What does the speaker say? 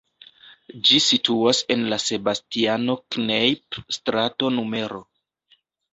Ĝi situas en la Sebastiano-Kneipp-strato nr.